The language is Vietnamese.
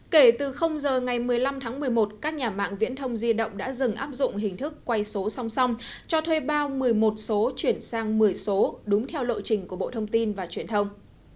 kể từ giờ ngày một mươi năm tháng một mươi một các nhà mạng viễn thông di động đã dừng áp dụng hình thức quay số song song cho thuê bao một mươi một số chuyển sang một mươi số đúng theo lộ trình của bộ thông tin và truyền thông